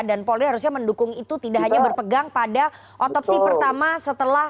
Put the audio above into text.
dan polri harusnya mendukung itu tidak hanya berpegang pada otopsi pertama setelah